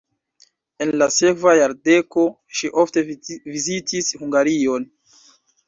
En la sekva jardeko ŝi ofte vizitis Hungarion.